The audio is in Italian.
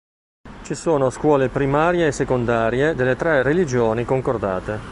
Ci sono scuole primarie e secondarie delle tre religioni concordate.